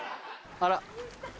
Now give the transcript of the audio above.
あら。